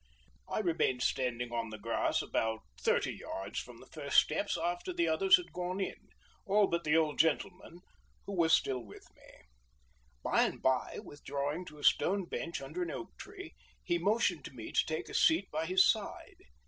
I remained standing on the grass about thirty yards from the first steps after the others had gone in, all but the old gentleman, who still kept with me. By and by, withdrawing to a stone bench under an oak tree, he motioned to me to take a seat by his side.